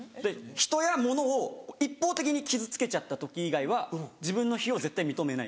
人や物を一方的に傷つけちゃった時以外は自分の非を絶対認めない。